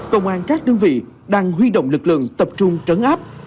công an các đơn vị đang huy động lực lượng tập trung trấn áp